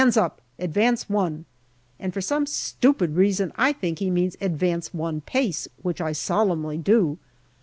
" Hands up ; advance one," and for some stupid reason I think he means advance one pace, which I solemnly do.